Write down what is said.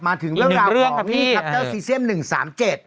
มาถึงเรื่องของอีกหนึ่งเรื่องครับพี่จ้าจ้าซีเซียม๑๓๗